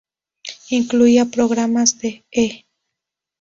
Incluía programas de E!